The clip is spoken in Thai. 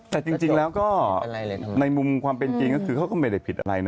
แต่จริงแล้วก็ในมุมความเป็นจริงก็คือเขาก็ไม่ได้ผิดอะไรนะ